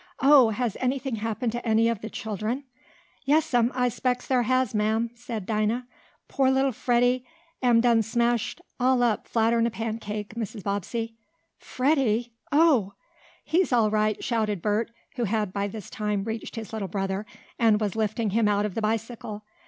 "Oh! has anything happened to any of the children?" "Yes'm, I s'pects there has, ma'am," said Dinah. "Pore li'l Freddie am done smashed all up flatter'n a pancake, Mrs. Bobbsey!" "Freddie Oh!" "He's all right!" shouted Bert, who had, by this time, reached his little brother, and was lifting him out of the bicycle.